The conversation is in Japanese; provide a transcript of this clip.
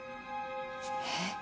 えっ？